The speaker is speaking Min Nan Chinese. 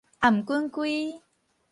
頷頸胿